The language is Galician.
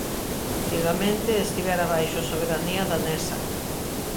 Antigamente estivera baixo soberanía danesa.